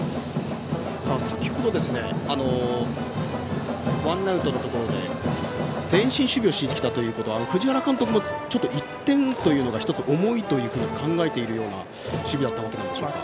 先程、ワンアウトのところで前進守備を敷いてきたということは藤原監督も１点というのが重いというふうに考えているような守備だったんでしょうか。